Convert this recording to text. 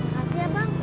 makasih ya bang